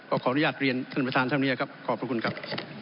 ขออนุญาตเรียนท่านประธานเท่านี้ครับขอบพระคุณครับ